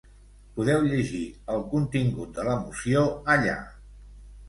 Podeu llegir el contingut de la moció allà.